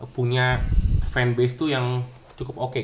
punya fanbase tuh yang cukup oke gitu